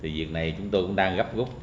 thì việc này chúng tôi cũng đang gấp gúc